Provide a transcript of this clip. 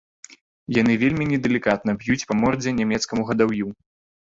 Яны вельмі недалікатна б'юць па мордзе нямецкаму гадаўю.